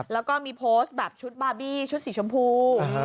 แล้วก็มีโพสต์แบบชุดบาร์บี้ชุดสีชมพู